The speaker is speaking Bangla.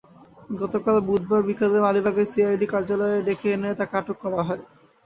গতকাল বুধবার বিকেলে মালিবাগে সিআইডি কার্যালয়ে ডেকে এনে তাঁকে আটক করা হয়।